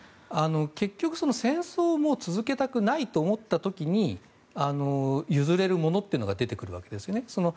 結局、戦争を続けたくないと思った時に譲れるものっていうのが出てくるわけですね。